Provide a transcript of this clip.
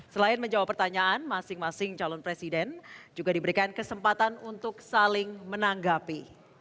selain menjawab pertanyaan masing masing calon presiden juga diberikan kesempatan untuk saling menanggapi